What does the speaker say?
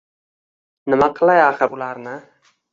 Nima qilay axir, ularni